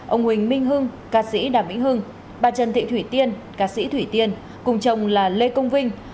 ông huỳnh minh hưng ca sĩ đàm vĩnh hưng bà trần thị thủy tiên ca sĩ thủy tiên cùng chồng là lê công vinh